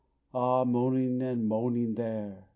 Ah, moaning and moaning there!